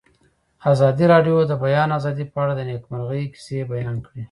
ازادي راډیو د د بیان آزادي په اړه د نېکمرغۍ کیسې بیان کړې.